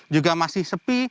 juga masih sepi